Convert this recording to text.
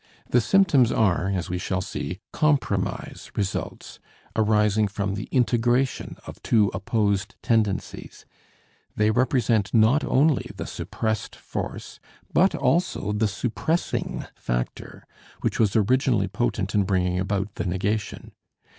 The symptoms are, as we shall see, compromise results, arising from the integration of two opposed tendencies; they represent not only the suppressed force but also the suppressing factor, which was originally potent in bringing about the negation.